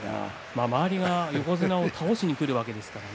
周りが横綱を倒しにくるわけですからね。